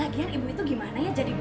lagian ibu itu gimana ya jadi ibu